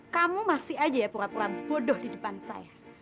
kamu masih aja ya pura pura bodoh di depan saya